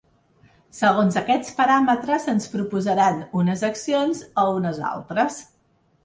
Segons aquests paràmetres, ens proposaran unes accions o unes altres.